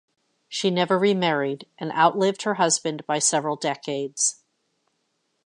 She never remarried and outlived her husband by several decades.